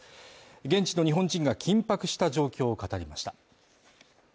現地の日本人が緊迫した状況を語りました。